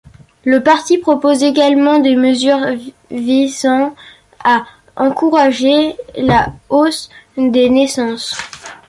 Le parti propose également des mesures visant à encourager la hausse des naissances.